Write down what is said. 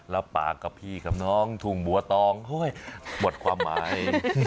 แล้วปากกับพี่กับน้องทุ่งบัวตองเฮ้ยปวดความหมาย